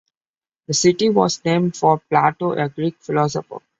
The city was named for Plato, a Greek philosopher.